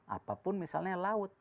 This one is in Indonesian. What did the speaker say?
apapun misalnya laut